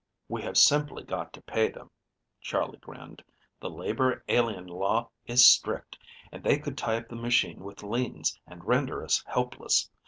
"We have simply got to pay them," Charley grinned. "The labor alien law is strict, and they could tie up the machine with liens and render us helpless.